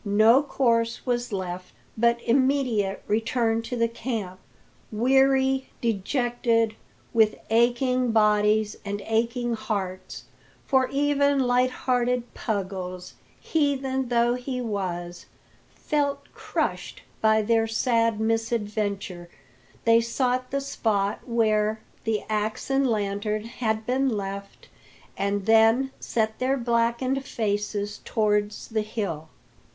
No course was left but immediate return to the camp. Weary, dejected, with aching bodies and aching hearts for even light hearted Puggles, heathen though he was, felt crushed by their sad misadventure they sought the spot where, the axe and lantern had been left, and then set their blackened faces towards the hill.